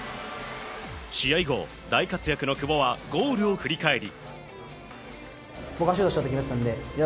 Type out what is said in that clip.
試合後、大活躍の久保はゴールを振り返り。